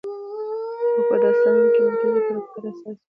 او په داستانونو کې مرکزي کرکټر اساس وي